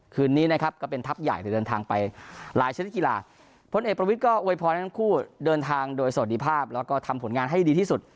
คืนนี้นะครับก็เป็นทัพใหญ่ที่เดินทางไปหลายชนิดกีฬาพลเอกประวิทย์ก็อวยพรให้ทั้งคู่เดินทางโดยสวัสดีภาพแล้วก็ทำผลงานให้ดีที่สุด